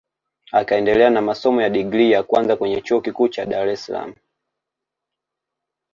Akaendelea na masomo ya digrii ya kwanza kwenye Chuo Kikuu cha Dar es Salaam